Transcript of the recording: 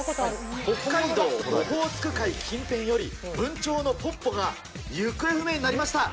北海道オホーツク海近辺より文鳥のポッポが行方不明になりました。